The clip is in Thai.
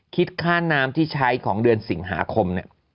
คิดค่าน้ำที่ใช้ของเดือนสิงหาคมเนี่ย